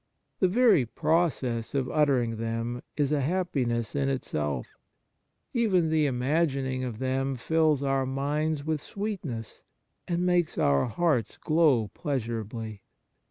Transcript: The very process of uttering them is a happiness in itself. Even the imag^inine: of them fills our minds with Kind Words 75 sweetness, and makes our hearts glow pleasurably.